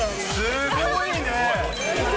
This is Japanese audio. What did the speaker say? すごいね。